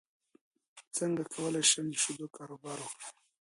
څنګه کولی شم د شیدو کاروبار وکړم